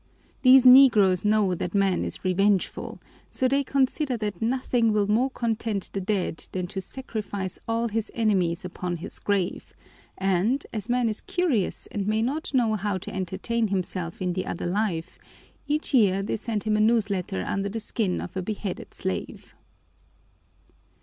These negroes know that man is revengeful, so they consider that nothing will more content the dead than to sacrifice all his enemies upon his grave, and, as man is curious and may not know how to entertain himself in the other life, each year they send him a newsletter under the skin of a beheaded slave.